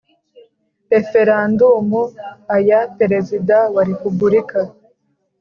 Referendumu aya perezida wa repubulika